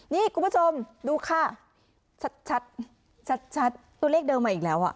นี่คุณผู้ชมดูค่ะชัดชัดตัวเลขเดิมมาอีกแล้วอ่ะ